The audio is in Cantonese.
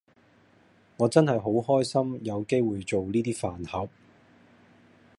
我真係好開心有機會做呢 d 飯盒